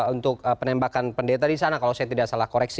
untuk penembakan pendeta di sana kalau saya tidak salah koreksi